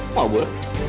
kamu gak boleh